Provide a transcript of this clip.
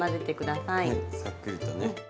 さっくりとね。